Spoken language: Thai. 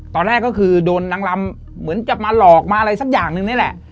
ตอนแรกก็คือโดนนางลำเหมือนจะมาหลอกมาอะไรสักอย่างนึงนี่แหละ